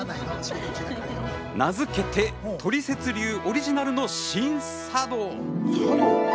名付けてトリセツ流オリジナルの「シン茶道」。